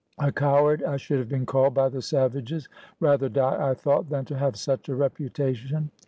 A coward I should have been called by the savages. Rather die, I thought, than to have such a reputation.